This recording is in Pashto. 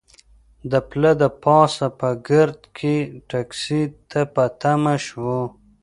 د پله د پاسه په ګرد کې ټکسي ته په تمه شوو.